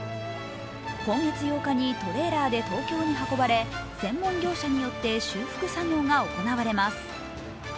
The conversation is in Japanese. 今月８日にトレーラーで東京に運ばれ専門業者によって修復作業が行われます。